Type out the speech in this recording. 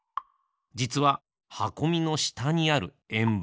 じつははこみのしたにあるえんばん。